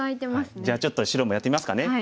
じゃあちょっと白もやってみますかね。